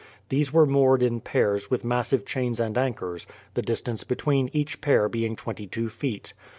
These were moored in pairs with massive chains and anchors, the distance between each pair being twenty two feet.